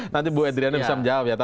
nanti bu edriana bisa menjawab ya